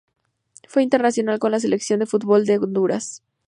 Fue internacional con la Selección de fútbol de Honduras.